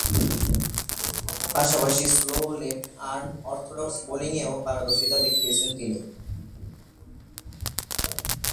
পাশাপাশি, slow left arm orthodox বোলিংয়েও পারদর্শীতা দেখিয়েছেন তিনি।